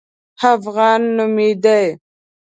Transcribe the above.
افغان نومېدی.